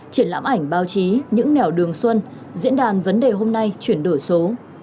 triển lãm ảnh báo chí những nẻo đường xuân diễn đàn vấn đề hôm nay chuyển đổi số